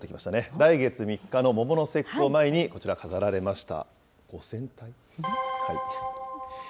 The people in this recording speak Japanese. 来月３日の桃の節句を前に、こちら、飾られました。